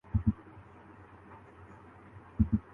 میرے دل کو سکون چایئے